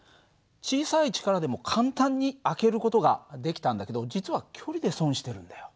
小さい力でも簡単に開ける事ができたんだけど実は距離で損してるんだよ。